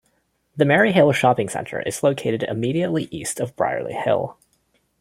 The Merry Hill Shopping Centre is located immediately east of Brierley Hill.